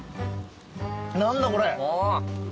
何だこれ。